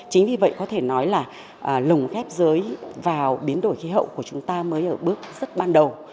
chính vì vậy có thể nói là lồng ghép giới vào biến đổi khí hậu của chúng ta mới ở bước rất ban đầu